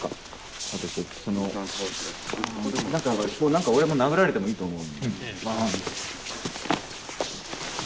なんか俺も殴られてもいいと思う。